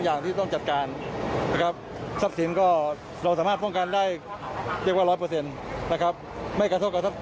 หายเฉพาะถ้างร้านที่เป็นไม้ครับ